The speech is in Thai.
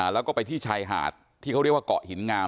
แล้วก็ไปที่ชายหาดที่เขาเรียกว่าเกาะหินงาม